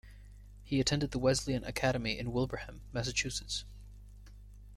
He attended the Wesleyan Academy in Wilbraham, Massachusetts.